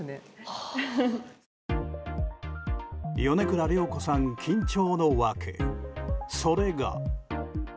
米倉涼子さん、緊張の訳それが。